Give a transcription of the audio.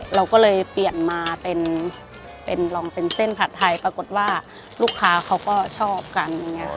เราก็เลยเปลี่ยนมาเป็นลองเป็นเส้นผัดไทยปรากฏว่าลูกค้าเขาก็ชอบกันอย่างนี้ค่ะ